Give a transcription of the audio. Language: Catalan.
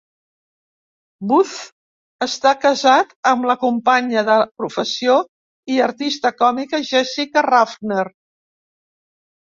Booth està casat amb la companya de professió i artista còmica Jessica Ruffner.